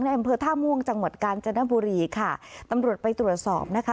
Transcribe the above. อำเภอท่าม่วงจังหวัดกาญจนบุรีค่ะตำรวจไปตรวจสอบนะคะ